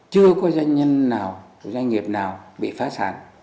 chưa có doanh nhân nào doanh nghiệp nào bị phá sản